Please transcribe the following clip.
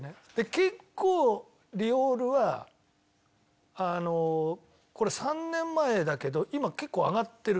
結構ディオールはこれ３年前だけど今結構上がってるんで。